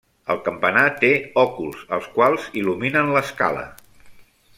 El campanar té òculs, els quals il·luminen l'escala.